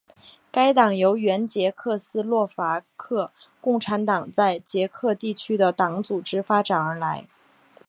该党由原捷克斯洛伐克共产党在捷克地区的党组织发展而来。